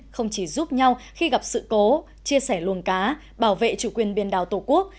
không chỉ giúp nhau khi gặp sự cố chia sẻ luồng cá bảo vệ chủ quyền biển đảo tổ quốc